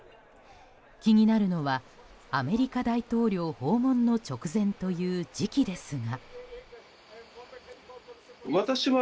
気になるのはアメリカ大統領訪問の直前という時期ですが。